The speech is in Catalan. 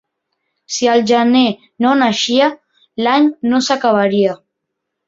Si el gener no naixia, l'any no s'acabaria.